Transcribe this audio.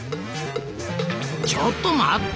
ちょっと待った！